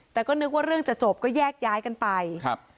แต่ก็นึกว่าเรื่องจะจบก็แยกย้ายกันไปครับ